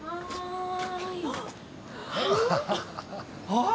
あっ！